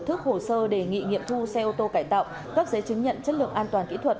thức hồ sơ đề nghị nghiệm thu xe ô tô cải tạo cấp giấy chứng nhận chất lượng an toàn kỹ thuật